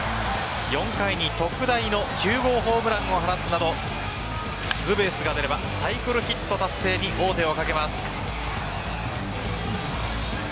４回に特大の９号ホームランを放つなどツーベースが出ればサイクルヒット達成に王手をかけます。